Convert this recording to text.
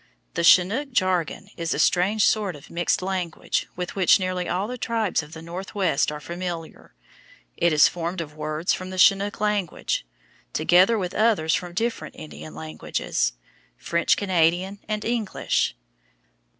The "Chinook" jargon is a strange sort of mixed language with which nearly all the tribes of the Northwest are familiar. It is formed of words from the Chinook language, together with others from different Indian languages, French Canadian, and English.